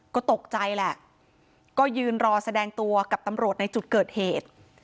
ก็ตกใจแหละก็ยืนรอแสดงตัวกับตำรวจในจุดเกิดเหตุ